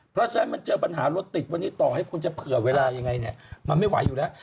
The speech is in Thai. เพราะฉะนั้นมันเจอปัญหารถติดวันนี้ต่อให้คุณจะเผื่อเวลายังไงเนี่ยมันไม่ไหวอยู่แล้ว